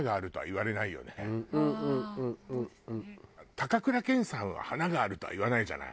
高倉健さんは華があるとは言わないじゃない。